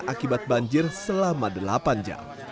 akibat banjir selama delapan jam